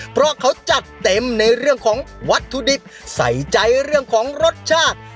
เพราะเขาจัดเต็มในเรื่องของวัตถุดิบใส่ใจเรื่องของรสชาติ